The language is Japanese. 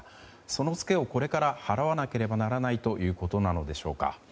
そのツケをこれから払わなければならないということなのでしょうか。